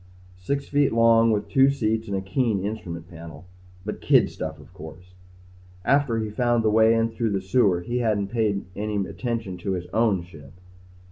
Six feet long with two seats and a keen instrument panel. But kid stuff of course. After he found the way in through the sewer he hadn't paid any more attention to his own ship.